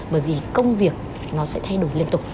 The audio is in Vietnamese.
bởi vì công việc nó sẽ thay đổi liên tục